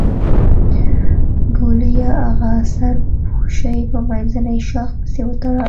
ګوليه اغه سر پوشوې په منځني شاخ پسې وتړه.